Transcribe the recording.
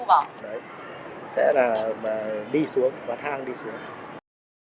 đấy sẽ là đi xuống và thang đi xuống